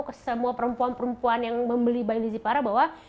ke semua perempuan perempuan yang membeli bayi lizzy parra bahwa